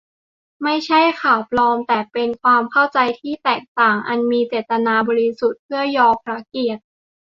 ไม่ใช่ "ข่าวปลอม" แต่เป็น "ความเข้าใจที่แตกต่างอันมีเจตนาบริสุทธิ์เพื่อยอพระเกียรติ"